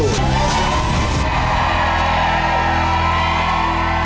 สนับสนุนโดรศาสตร์